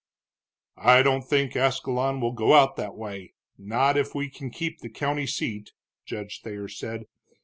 "I don't think Ascalon will go out that way not if we can keep the county seat," Judge Thayer said.